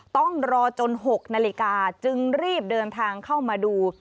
ต้องรอจน๖นาฬิกาจึงรีบเดินทางเข้ามาดู